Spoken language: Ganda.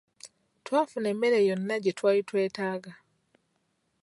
Twafuna emmere yonna gye twali twetaaga.